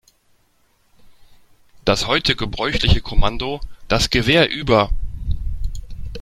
Das heute gebräuchliche Kommando "Das Gewehr über!